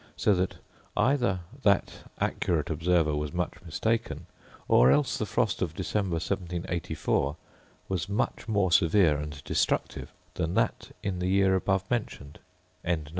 So that either that accurate observer was much mistaken, or else the frost of December, 1784, was much more severe and destructive than that in the year above mentioned.